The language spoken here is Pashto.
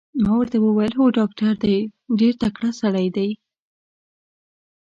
ما ورته وویل: هو ډاکټر دی، ډېر تکړه سړی دی.